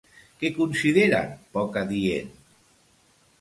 Què consideren poc adient?